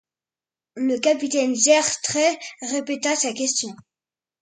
Le capitaine Gertrais répéta sa question.